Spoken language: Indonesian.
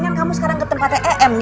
yang kamu sekarang ke tempatnya em